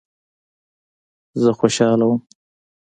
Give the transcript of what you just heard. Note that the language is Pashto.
زه خوشاله وم.